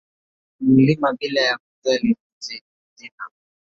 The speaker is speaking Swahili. Mlima bila ya kujali ni jina